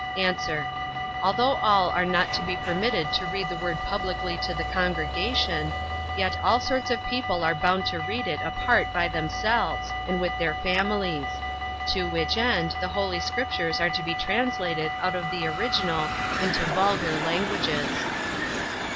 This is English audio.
A. Although all are not to be permitted to read the word publicly to the congregation, yet all sorts of people are bound to read it apart by themselves, and with their families: to which end, the holy Scriptures are to be translated out of the original into vulgar languages.